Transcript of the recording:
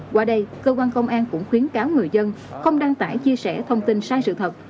qua đây cơ quan công an cũng khuyến cáo người dân không đăng tải chia sẻ thông tin sai sự thật